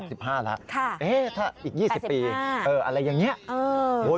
อีก๒๐ปีอะไรอย่างนี้ค่ะเออ๘๕